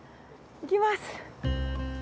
行きます。